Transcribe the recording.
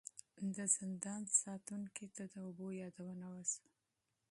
د زندان ساتونکي ته د اوبو یادونه وشوه.